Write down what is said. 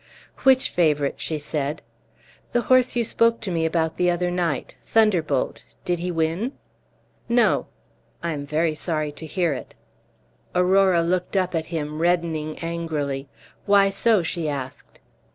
"Which favorite?" she said. "The horse you spoke to me about the other night Thunderbolt; did he win?" "No." "I am very sorry to hear it." Aurora looked up at him, reddening angrily. "Why so?" she asked.